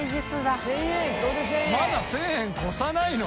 まだ１０００円超さないの？